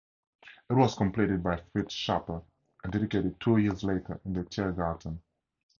It was completed by Fritz Schaper and dedicated two years later in the Tiergarten.